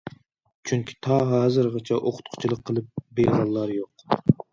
چۈنكى تا ھازىرغىچە ئوقۇتقۇچىلىق قىلىپ بېيىغانلار يوق.